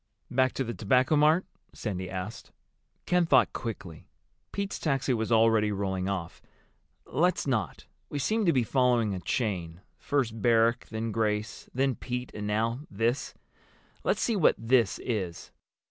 "Back to the Tobacco Mart?" Sandy asked. Ken thought quickly. Pete's taxi was already rolling off. "Let's not. We seem to be following a chain—first Barrack, then Grace, then Pete—and now this. Let's see what 'this' is."